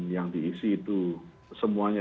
yang diisi itu semuanya